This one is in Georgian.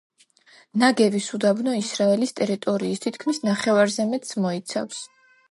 ნეგევის უდაბნო ისრაელის ტერიტორიის თითქმის ნახევარზე მეტს მოიცავს.